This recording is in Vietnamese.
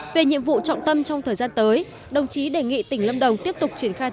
về nhiệm vụ trọng tâm trong thời gian tới đồng chí đề nghị tỉnh lâm đồng tiếp tục triển khai